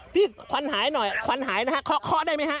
พี่ควันหายหน่อยควันหายนะฮะค่อค่อได้ไหมฮะ